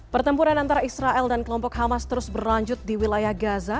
pertempuran antara israel dan kelompok hamas terus berlanjut di wilayah gaza